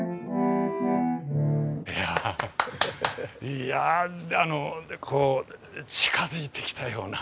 いやこう近づいてきたような。